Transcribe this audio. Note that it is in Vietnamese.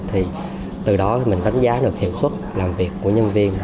thì từ đó mình đánh giá được hiệu suất làm việc của nhân viên